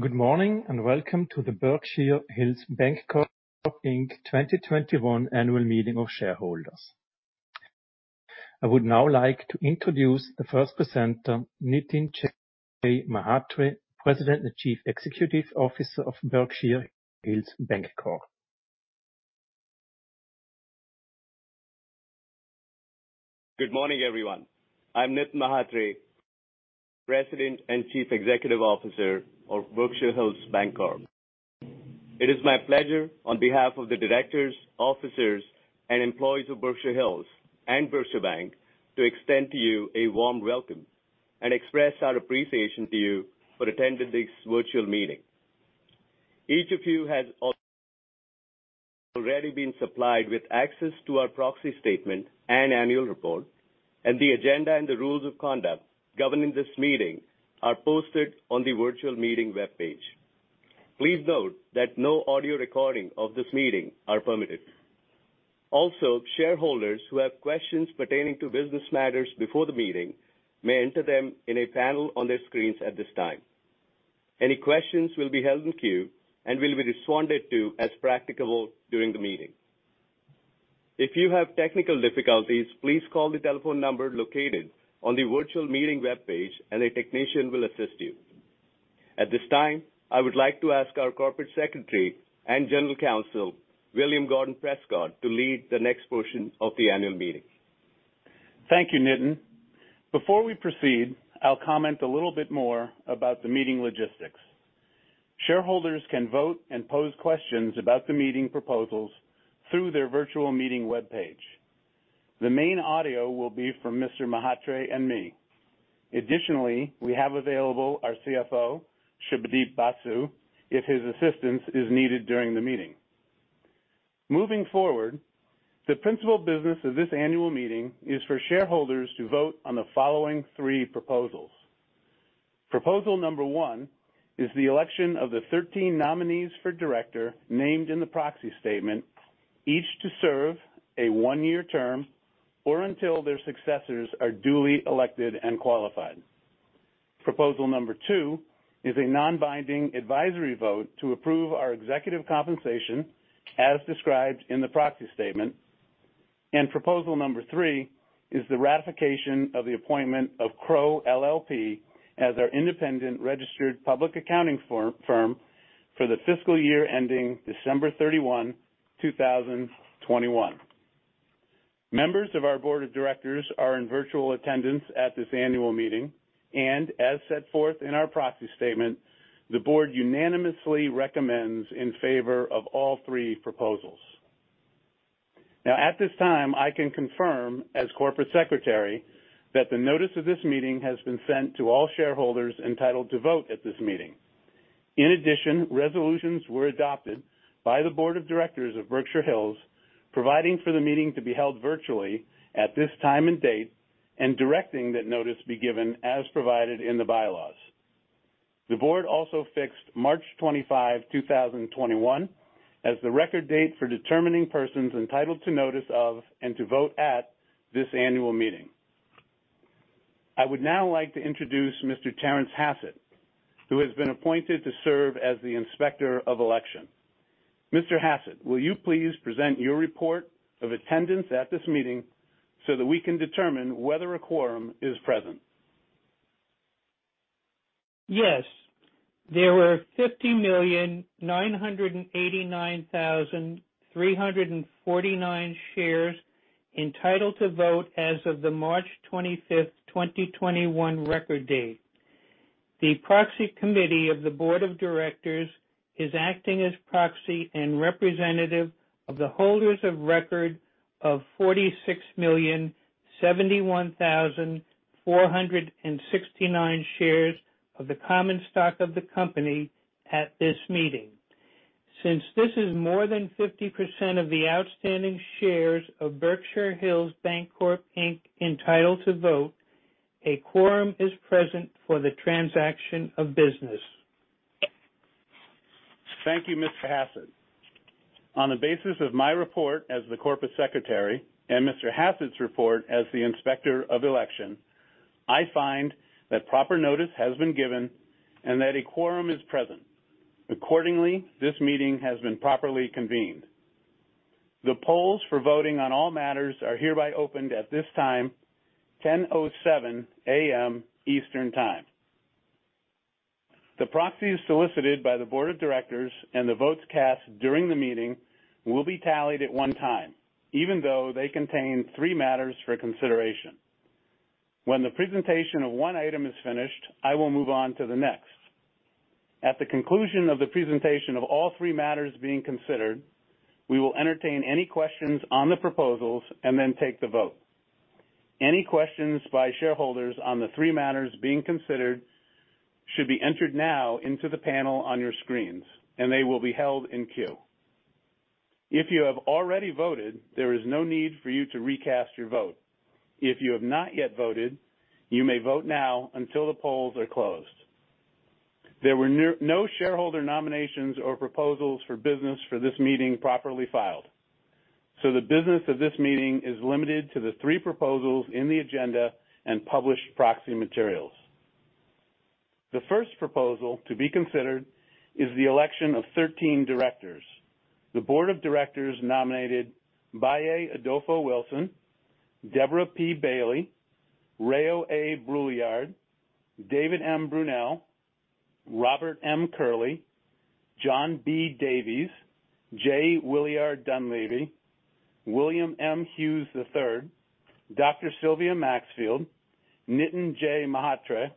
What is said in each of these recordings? Good morning, and welcome to the Berkshire Hills Bancorp, Inc. 2021 Annual Meeting of Shareholders. I would now like to introduce the first presenter, Nitin Mhatre, President and Chief Executive Officer of Berkshire Hills Bancorp. Good morning, everyone. I'm Nitin Mhatre, President and Chief Executive Officer of Berkshire Hills Bancorp. It is my pleasure, on behalf of the directors, officers, and employees of Berkshire Hills and Berkshire Bank, to extend to you a warm welcome and express our appreciation to you for attending this virtual meeting. Each of you has already been supplied with access to our proxy statement and annual report, and the agenda and the rules of conduct governing this meeting are posted on the virtual meeting webpage. Please note that no audio recording of this meeting are permitted. Also, shareholders who have questions pertaining to business matters before the meeting may enter them in a panel on their screens at this time. Any questions will be held in queue and will be responded to as practicable during the meeting. If you have technical difficulties, please call the telephone number located on the virtual meeting webpage and a technician will assist you. At this time, I would like to ask our Corporate Secretary and General Counsel, William Gordon Prescott, to lead the next portion of the annual meeting. Thank you, Nitin. Before we proceed, I'll comment a little bit more about the meeting logistics. Shareholders can vote and pose questions about the meeting proposals through their virtual meeting webpage. The main audio will be from Mr. Mhatre and me. Additionally, we have available our CFO, Subhadeep Basu, if his assistance is needed during the meeting. Moving forward, the principal business of this annual meeting is for shareholders to vote on the following three proposals. Proposal number one is the election of the 13 nominees for director named in the proxy statement, each to serve a one-year term or until their successors are duly elected and qualified. Proposal number two is a non-binding advisory vote to approve our executive compensation as described in the proxy statement. Proposal number three is the ratification of the appointment of Crowe LLP as our independent registered public accounting firm for the fiscal year ending December 31, 2021. Members of our board of directors are in virtual attendance at this annual meeting. As set forth in our proxy statement, the board unanimously recommends in favor of all three proposals. At this time, I can confirm, as corporate secretary, that the notice of this meeting has been sent to all shareholders entitled to vote at this meeting. In addition, resolutions were adopted by the board of directors of Berkshire Hills, providing for the meeting to be held virtually at this time and date, and directing that notice be given as provided in the bylaws. The board also fixed March 25, 2021, as the record date for determining persons entitled to notice of and to vote at this annual meeting. I would now like to introduce Mr. Terrence Hassett, who has been appointed to serve as the Inspector of Election. Mr. Hassett, will you please present your report of attendance at this meeting so that we can determine whether a quorum is present? Yes. There were 50,989,349 shares entitled to vote as of the March 25th, 2021, record date. The proxy committee of the board of directors is acting as proxy and representative of the holders of record of 46,071,469 shares of the common stock of the company at this meeting. Since this is more than 50% of the outstanding shares of Berkshire Hills Bancorp, Inc. entitled to vote, a quorum is present for the transaction of business. Thank you, Mr. Hassett. On the basis of my report as the corporate secretary and Mr. Hassett's report as the Inspector of Election, I find that proper notice has been given and that a quorum is present. Accordingly, this meeting has been properly convened. The polls for voting on all matters are hereby opened at this time, 10:07 A.M. Eastern Time. The proxies solicited by the board of directors and the votes cast during the meeting will be tallied at one time, even though they contain three matters for consideration. When the presentation of one item is finished, I will move on to the next. At the conclusion of the presentation of all three matters being considered, we will entertain any questions on the proposals and then take the vote. Any questions by shareholders on the three matters being considered should be entered now into the panel on your screens, and they will be held in queue. If you have already voted, there is no need for you to recast your vote. If you have not yet voted, you may vote now until the polls are closed. There were no shareholder nominations or proposals for business for this meeting properly filed. The business of this meeting is limited to the three proposals in the agenda and published proxy materials. The first proposal to be considered is the election of 13 directors. The board of directors nominated Baye Adofo-Wilson, Deborah P. Bailey, Rheo A. Brouillard, David M. Brunelle, Robert M. Curley, John B. Davies, J. Williar Dunlaevy, William H. Hughes III, Dr. Sylvia Maxfield, Nitin J. Mhatre,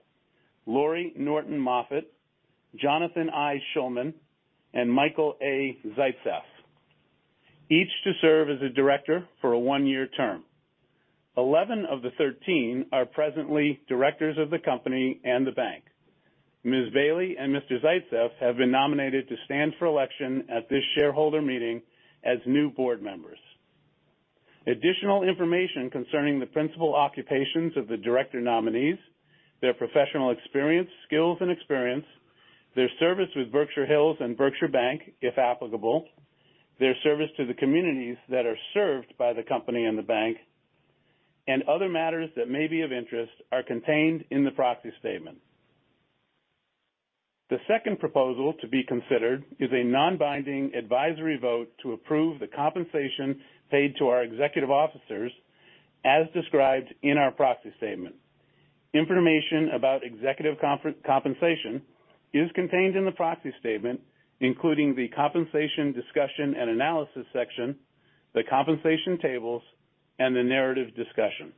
Laurie Norton Moffatt, Jonathan I. Shulman, and Michael A. Zaitzeff. Each to serve as a director for a one-year term. 11 of the 13 are presently directors of the company and the bank. Ms. Bailey and Mr. Zaitzeff have been nominated to stand for election at this shareholder meeting as new board members. Additional information concerning the principal occupations of the director nominees, their professional experience, skills, and experience, their service with Berkshire Hills and Berkshire Bank, if applicable, their service to the communities that are served by the company and the bank, and other matters that may be of interest are contained in the proxy statement. The second proposal to be considered is a non-binding advisory vote to approve the compensation paid to our executive officers as described in our proxy statement. Information about executive compensation is contained in the proxy statement, including the Compensation Discussion and Analysis section, the compensation tables, and the narrative discussion.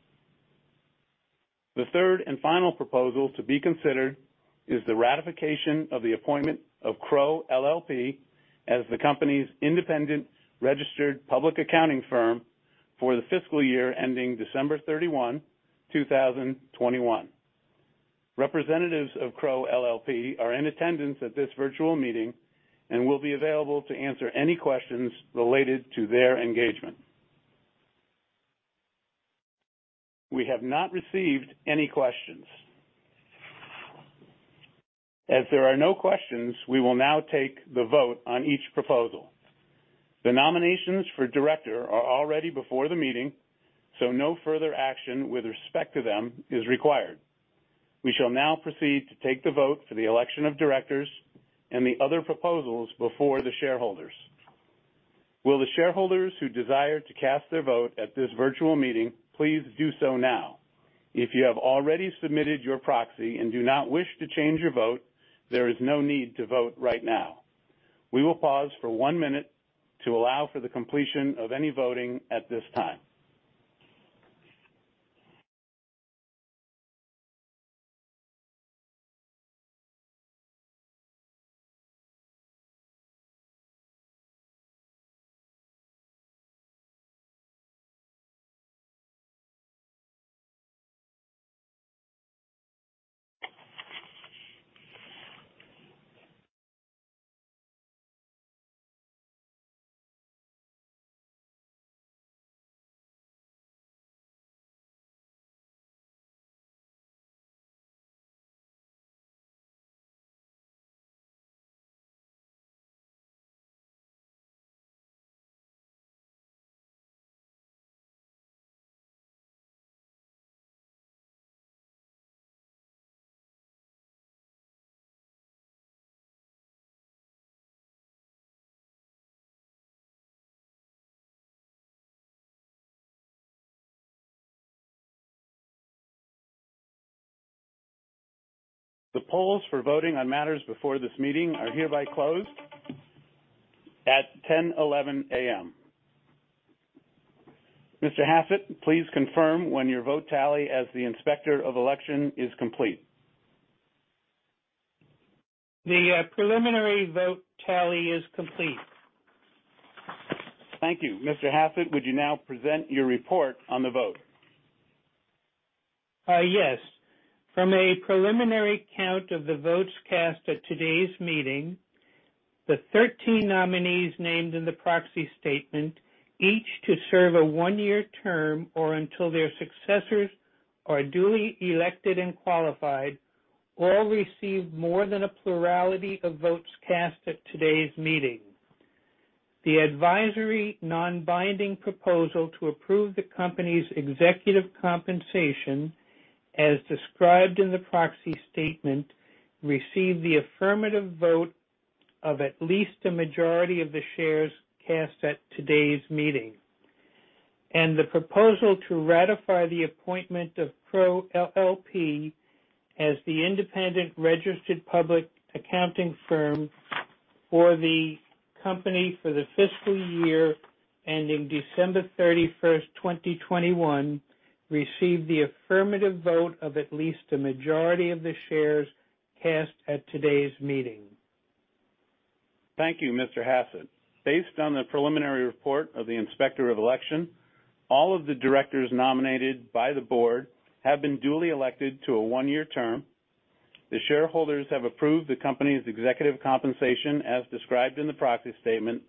The third and final proposal to be considered is the ratification of the appointment of Crowe LLP as the company's independent registered public accounting firm for the fiscal year ending December 31, 2021. Representatives of Crowe LLP are in attendance at this virtual meeting and will be available to answer any questions related to their engagement. We have not received any questions. There are no questions, we will now take the vote on each proposal. The nominations for director are already before the meeting, so no further action with respect to them is required. We shall now proceed to take the vote for the election of directors and the other proposals before the shareholders. Will the shareholders who desire to cast their vote at this virtual meeting, please do so now. If you have already submitted your proxy and do not wish to change your vote, there is no need to vote right now. We will pause for one minute to allow for the completion of any voting at this time. The polls for voting on matters before this meeting are hereby closed at 10:11 A.M. Mr. Hassett, please confirm when your vote tally as the inspector of election is complete. The preliminary vote tally is complete. Thank you. Mr. Hassett, would you now present your report on the vote? Yes. From a preliminary count of the votes cast at today's meeting, the 13 nominees named in the proxy statement, each to serve a one-year term or until their successors are duly elected and qualified, all received more than a plurality of votes cast at today's meeting. The advisory non-binding proposal to approve the company's executive compensation, as described in the proxy statement, received the affirmative vote of at least a majority of the shares cast at today's meeting. The proposal to ratify the appointment of Crowe LLP as the independent registered public accounting firm for the company for the fiscal year ending December 31st, 2021, received the affirmative vote of at least a majority of the shares cast at today's meeting. Thank you, Mr. Hassett. Based on the preliminary report of the inspector of election, all of the directors nominated by the board have been duly elected to a one-year term. The shareholders have approved the company's executive compensation as described in the proxy statement,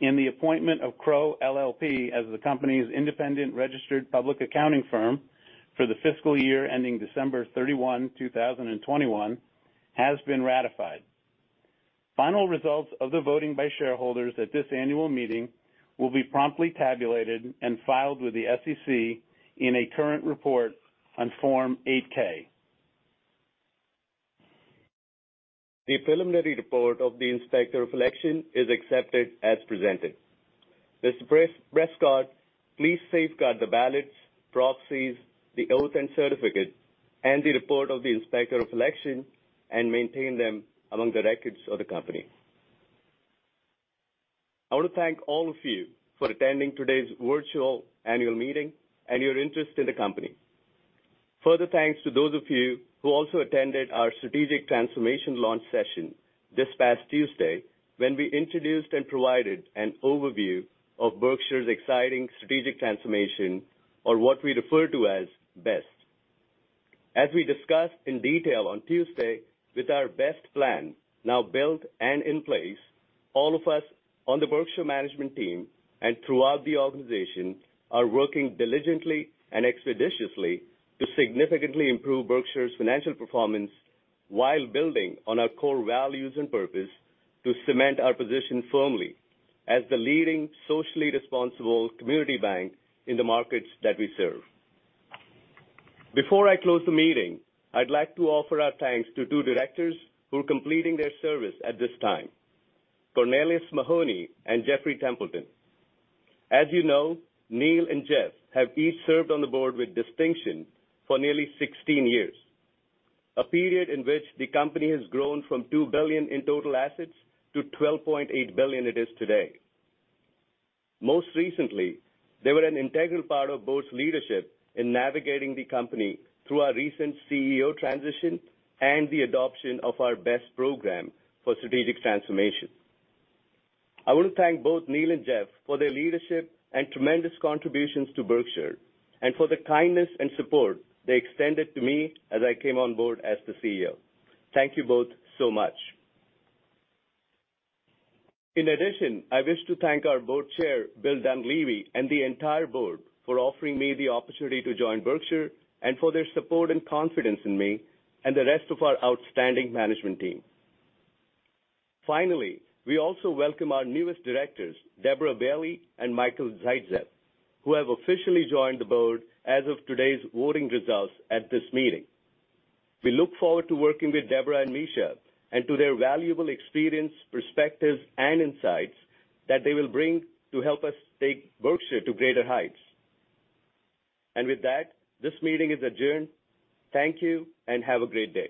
and the appointment of Crowe LLP as the company's independent registered public accounting firm for the fiscal year ending December 31, 2021, has been ratified. Final results of the voting by shareholders at this annual meeting will be promptly tabulated and filed with the SEC in a current report on Form 8-K. The preliminary report of the Inspector of Election is accepted as presented. Mr. Prescott, please safeguard the ballots, proxies, the oath and certificate, and the report of the Inspector of Election and maintain them among the records of the company. I want to thank all of you for attending today's virtual annual meeting and your interest in the company. Further thanks to those of you who also attended our strategic transformation launch session this past Tuesday, when we introduced and provided an overview of Berkshire's Exciting Strategic Transformation or what we refer to as BeST. As we discussed in detail on Tuesday with our BEST plan now built and in place, all of us on the Berkshire management team and throughout the organization are working diligently and expeditiously to significantly improve Berkshire's financial performance while building on our core values and purpose to cement our position firmly as the leading socially responsible community bank in the markets that we serve. Before I close the meeting, I'd like to offer our thanks to two directors who are completing their service at this time, Cornelius Mahoney and Jeffrey Templeton. As you know, Neil and Jeff have each served on the board with distinction for nearly 16 years, a period in which the company has grown from $2 billion in total assets to $12.8 billion it is today. Most recently, they were an integral part of Board's leadership in navigating the company through our recent CEO transition and the adoption of our BEST program for strategic transformation. I want to thank both Neil and Jeff for their leadership and tremendous contributions to Berkshire, and for the kindness and support they extended to me as I came on Board as the CEO. Thank you both so much. In addition, I wish to thank our Board Chair, Bill Dunlaevy, and the entire Board for offering me the opportunity to join Berkshire and for their support and confidence in me and the rest of our outstanding management team. Finally, we also welcome our newest Directors, Deborah P. Bailey and Michael A. Zaitzeff, who have officially joined the Board as of today's voting results at this meeting. We look forward to working with Deborah and Misha and to their valuable experience, perspectives, and insights that they will bring to help us take Berkshire to greater heights. With that, this meeting is adjourned. Thank you, and have a great day.